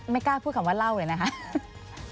ไม่กล้าพูดคำว่าเล่าเลยนะครับ